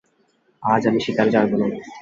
আজ আমি শিকারে যাইব না।